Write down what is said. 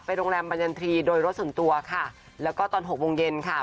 โรงแรมบรรยันทรีย์โดยรถส่วนตัวค่ะแล้วก็ตอนหกโมงเย็นค่ะ